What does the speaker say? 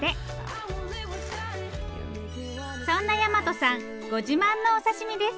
そんな大和さんご自慢のお刺身です。